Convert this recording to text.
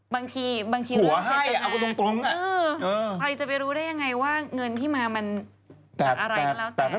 บางทีบางทีเลือกให้เอากันตรงใครจะไปรู้ได้ยังไงว่าเงินที่มามันจากอะไรก็แล้วแต่